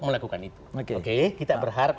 melakukan itu kita berharap